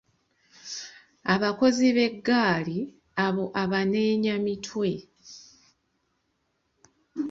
"Abakozi b’eggaali, abo abanyeenya mitwe."